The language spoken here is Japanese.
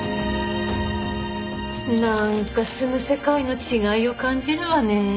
なんか住む世界の違いを感じるわね。